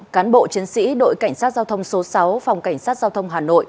cán bộ chiến sĩ đội cảnh sát giao thông số sáu phòng cảnh sát giao thông hà nội